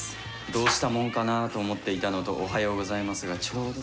「どうしたもんかなぁ」と思っていたのと「おはようございます」がちょうど。